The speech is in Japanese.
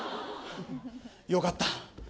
よかった。